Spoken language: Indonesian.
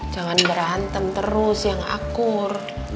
jangan berantem terus ya ngakur